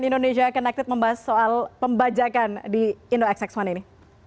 cnn indonesia connected membahas soal pembajakan di indo xx satu ini